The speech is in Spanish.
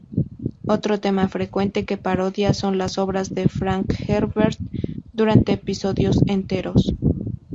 Otro tema frecuente que parodia son las obras de Frank Herbert durante episodios enteros.